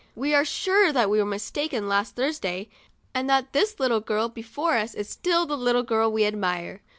We are sure that we were mistaken last Thurs day, and that this little girl before us is still the little girl we admire.